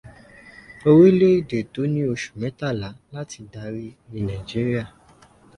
Orílẹ̀èdè tó ní oṣù mẹ́tàlá láti dára ni Nàíjíríà.